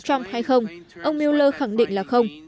ông trump hay không ông mueller khẳng định là không